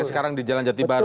sekarang di jalan jati baru